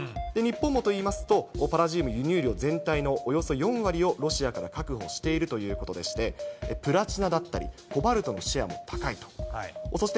日本もといいますと、パラジウムの輸入量全体のおよそ４割をロシアから確保しているということでして、プラチナだったり、コバルトのシェアも高いと。